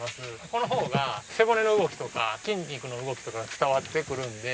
この方が背骨の動きとか筋肉の動きとかが伝わってくるので。